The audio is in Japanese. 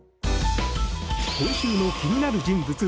今週の気になる人物